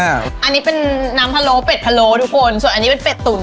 อันนี้เป็นน้ำพะโล้เป็ดพะโล้ทุกคนส่วนอันนี้เป็นเป็ดตุ๋น